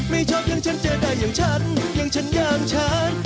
ไม่ชอบอย่างฉันเจอได้อย่างฉันอย่างฉันอย่างฉัน